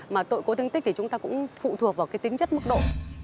mà tội cố thương tích thì chúng ta cũng phụ thuộc vào cái tính chất mức độ